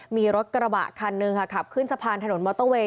มีรถกระบะคันหนึ่งค่ะขับขึ้นสะพานถนนมอเตอร์เวย